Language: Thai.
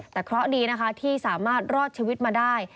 แต่เคราะห์ดีนะคะที่สามารถรอดชีวิตมาได้